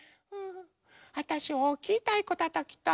あたしおおきいたいこたたきたい。